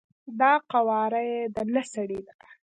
دا قواره یی د نه سړی ده،